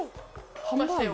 きましたよ